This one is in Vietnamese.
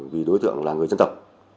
vì đối tượng là người dân tộc